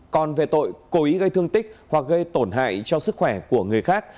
còn về tội cố ý gây thương tích hoặc gây tổn hại cho sức khỏe của người khác